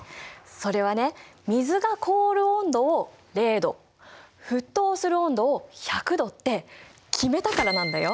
それはね水が凍る温度を０℃沸騰する温度を１００℃って決めたからなんだよ。